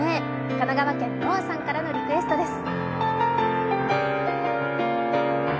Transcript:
神奈川県、のあさんからのリクエストです。